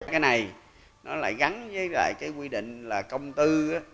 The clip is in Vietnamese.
cái này nó lại gắn với lại cái quy định là công tư